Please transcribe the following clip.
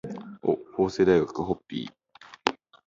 法政大学ホッピー